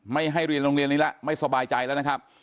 ไม่ให้เรียนโรงเรียนนี้แล้วไม่สบายใจแล้วนะครับ